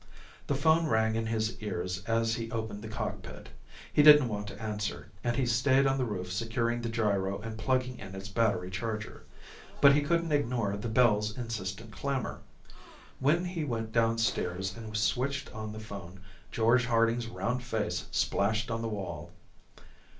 The phone rang in his ears as he opened the cockpit. He didn't want to answer, and he stayed on the roof securing the gyro and plugging in its battery charger. But he couldn't ignore the bell's insistent clamor. When he went downstairs and switched on the phone, George Harding's round face splashed on the wall.